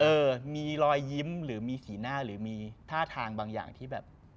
เออมีรอยยิ้มหรือมีสีหน้าหรือมีท่าทางบางอย่างที่แบบ